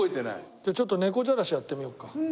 じゃあちょっとネコジャラシやってみようか。